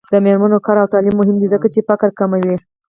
د میرمنو کار او تعلیم مهم دی ځکه چې فقر کموي.